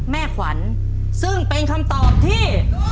แม่ขวัญซึ่งเป็นคำตอบที่